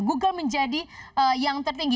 google menjadi yang tertinggi